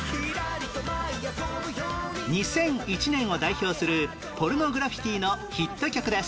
２００１年を代表するポルノグラフィティのヒット曲です